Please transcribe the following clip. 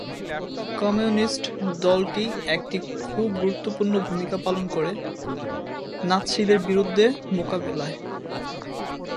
Communist দলটি একটি খুব গুরুত্বপূর্ণ ভূমিকা পালন করে নাৎসিদের বিরুদ্ধে মোকাবিলায়।